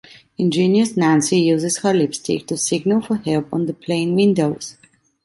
Ingenious Nancy uses her lipstick to signal for help on the plane windows.